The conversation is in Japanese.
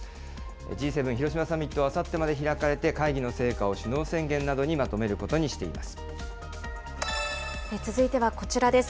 Ｇ７広島サミットはあさってまで開かれて、会議の成果を首脳宣言続いてはこちらです。